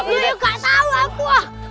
gak tau aku